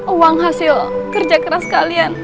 uang hasil kerja keras kalian